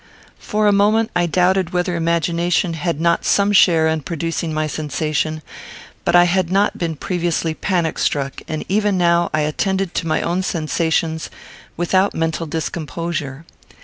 For a moment, I doubted whether imagination had not some share in producing my sensation; but I had not been previously panic struck; and even now I attended to my own sensations without mental discomposure.